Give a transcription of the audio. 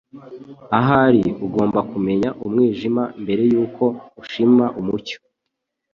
Ahari ugomba kumenya umwijima mbere yuko ushima umucyo.”